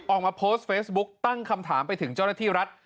ออกมาโพสต์เฟซบุ๊คตั้งคำถามไปถึงเจ้าหน้าที่รัฐ